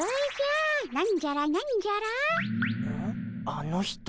あの人。